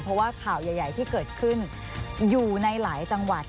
เพราะว่าข่าวใหญ่ที่เกิดขึ้นอยู่ในหลายจังหวัด